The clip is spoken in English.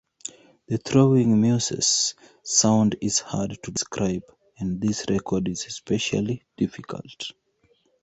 The Throwing Muses' sound is hard to describe, and this record is especially difficult.